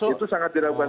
itu sangat diragukan sekali